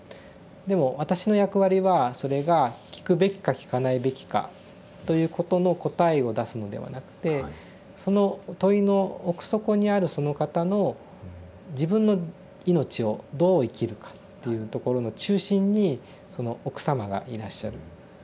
でも私の役割はそれが聞くべきか聞かないべきかということの答えを出すのではなくてその問いの奥底にあるその方の自分の命をどう生きるかっていうところの中心にその奥様がいらっしゃる。